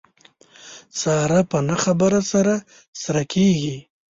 ساره په نه خبره سره سره کېږي.